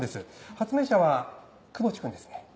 発明者は窪地君ですね。